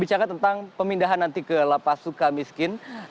bicara tentang pemindahan nanti ke lapasuka miskin